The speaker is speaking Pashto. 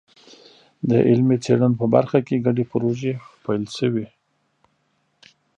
د علمي څېړنو په برخه کې ګډې پروژې پیل شوي.